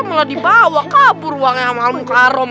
mulai dibawa kabur uangnya sama al mukaharom